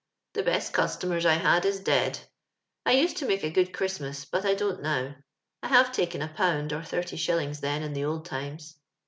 The best customers I had is dead. I .nsed to make a good Christmas, but I don't •nojr. I have taken a pound or thirty shillings Ihen in the old times.